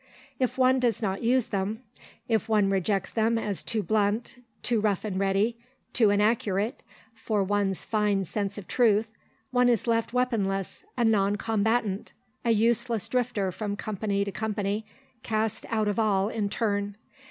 If one does not use them, if one rejects them as too blunt, too rough and ready, too inaccurate, for one's fine sense of truth, one is left weaponless, a non combatant, a useless drifter from company to company, cast out of all in turn....